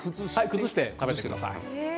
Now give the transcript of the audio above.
崩して食べてください。